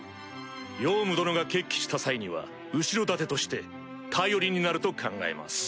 ヨウム殿が決起した際には後ろ盾として頼りになると考えます。